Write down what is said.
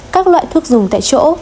một các loại thuốc dùng tại chỗ